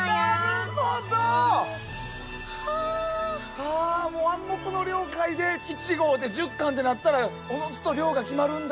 ああもう暗黙の了解で１合で１０貫ってなったらおのずと量が決まるんだ。